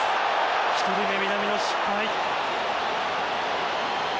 １人目南野、失敗。